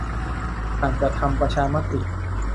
อาจจะทำประชามติ